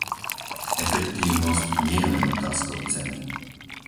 Efektívnosť nie je len otázkou ceny.